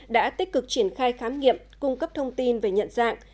đã tích cực triển khai khám nghiệm cung cấp thông tin về nhận dạng